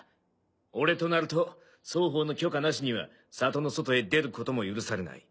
俺とナルト双方の許可なしには里の外へ出ることも許されない。